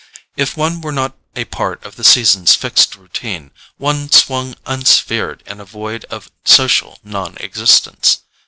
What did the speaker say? If one were not a part of the season's fixed routine, one swung unsphered in a void of social non existence.